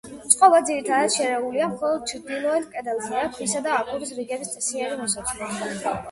წყობა ძირითადად შერეულია, მხოლოდ ჩრდილოეთ კედელზეა ქვისა და აგურის რიგების წესიერი მონაცვლეობა.